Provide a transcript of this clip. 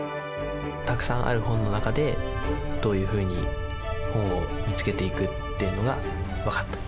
たくさんある本の中でどういうふうに本を見つけていくっていうのが分かった。